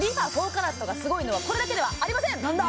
ＣＡＲＡＴがすごいのはこれだけではありません何だ？